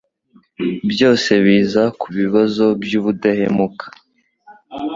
Byose biza kubibazo byubudahemuka.